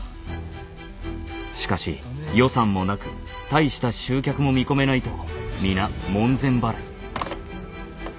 しかし予算もなく大した集客も見込めないと皆門前払い。